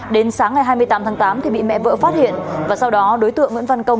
đến sáng ngày hai mươi tám tháng tám thì bị mẹ vỡ phát hiện và sau đó đối tượng nguyễn văn công